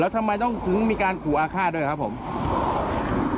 แล้วทำไมต้องมีการขู่อาฆาตด้วยหรือครับผม